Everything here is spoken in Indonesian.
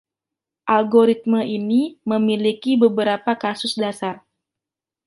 Algoritme ini memiliki beberapa kasus dasar.